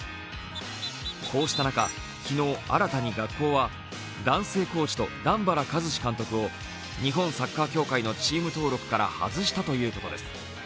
こうした中、昨日新たに学校は男性コーチと段原一詞監督を日本サッカー協会のチーム登録から外したということです。